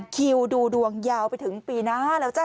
คิวดูดวงยาวไปถึงปีหน้าแล้วจ้ะ